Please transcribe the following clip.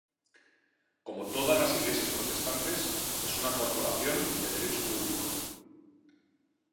Como todas las iglesias protestantes, es una Corporación de Derecho público.